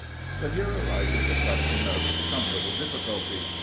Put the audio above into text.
But here arises a question of some little difficulty.